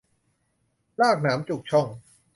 ลากหนามจุกช่อง